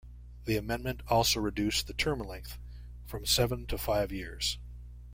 The amendment also reduced the term length from seven to five years.